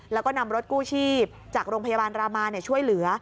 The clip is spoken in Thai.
แล้วก็นำรถกู้ชีพจากโรงพยาบาลรามาช่วยเหลือ